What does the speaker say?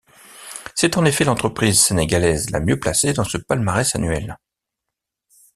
C'est en effet l'entreprise sénégalaise la mieux placée dans ce palmarès annuel.